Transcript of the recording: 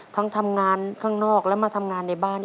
ทำงานข้างนอกแล้วมาทำงานในบ้าน